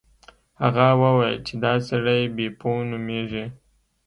هغه وویل چې دا سړی بیپو نومیږي.